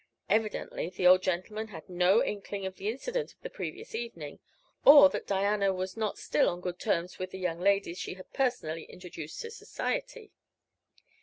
Evidently the old gentleman had no inkling of the incident of the previous evening, or that Diana was not still on good terms with the young ladies she had personally introduced to society.